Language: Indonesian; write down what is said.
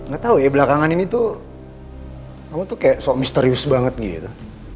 gak tau ya belakangan ini tuh kamu tuh kayak suami misterius banget gitu